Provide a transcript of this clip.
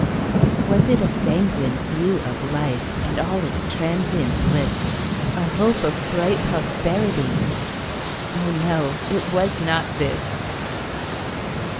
Was it a sanguine view of life, And all its transient bliss,A hope of bright prosperity? Oh, no! it was not this.